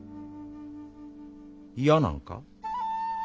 嫌なんか？